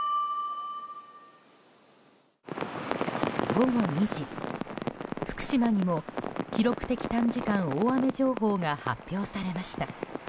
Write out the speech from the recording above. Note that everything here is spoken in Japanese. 午後２時、福島にも記録的短時間大雨情報が発表されました。